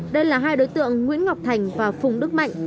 đây là hai đối tượng nguyễn ngọc thành và phùng đức mạnh